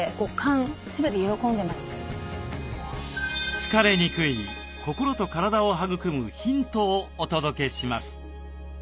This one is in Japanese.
疲れにくい心と体を育むヒントをお届けします。